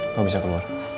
kamu bisa keluar